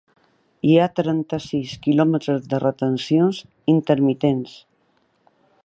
Hi ha trenta-sis quilòmetres de retencions intermitents.